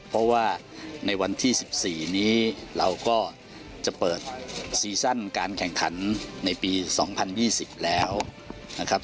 เพราะว่าในวันที่๑๔นี้เราก็จะเปิดซีซั่นการแข่งขันในปี๒๐๒๐แล้วนะครับ